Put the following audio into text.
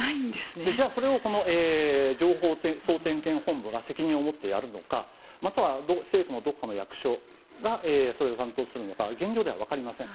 じゃあ、それを情報総点検本部が責任を持ってやるのかまたは政府のどこかの役所がそれを担当するのか現状では分かりません。